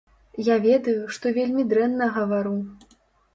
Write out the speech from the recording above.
Я ведаю, што вельмі дрэнна гавару.